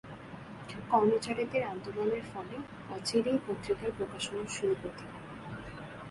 কর্মচারীদের আন্দোলনের ফলে অচিরেই পত্রিকার প্রকাশনা শুরু করতে হয়।